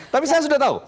tapi saya sudah tahu